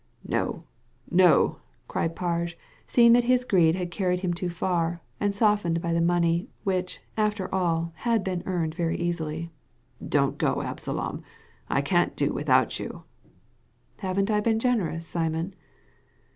" No, no I " cried Parge, seeing that his greed had carried him too far, and softened by the money, which, after all, had been earned very easily. " Don't go, Absalom. I can't do without you." *• Haven't I been generous, Simon